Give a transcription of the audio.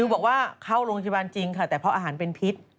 บอกว่าเข้าโรงพยาบาลจริงค่ะแต่เพราะอาหารเป็นพิษ